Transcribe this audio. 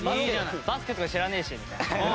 バスケとか知らねえしみたいな。